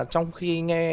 trong khi nghe